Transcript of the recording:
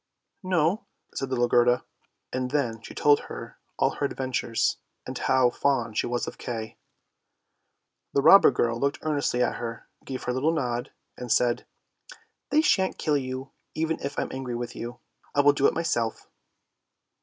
"" No," said little Gerda, and then she told her all her adven tures, and how fond she was of Kay. The robber girl looked earnestly at her, gave a little nod, and said, " They shan't kill you even if I am angry with you. I will do it myself."